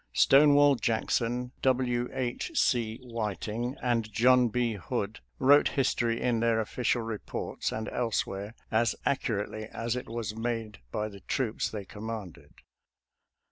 Stonewall Jackson, W. H. O. Whiting, and John B. Hood wrote history in their official reports, and elsewhere, as accu rately as it was made by the troops they com manded.